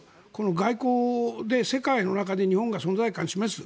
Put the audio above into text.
外交で世界の中で日本が存在感を示す。